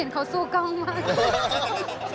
เห็นเขาสู้กล้องมาก